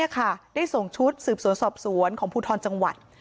บอกว่าตอนนี้ได้ส่งชุดสืบสวนสอบสวนของภูทรจังหวัด